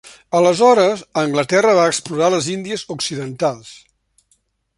Aleshores Anglaterra va explorar les Índies Occidentals.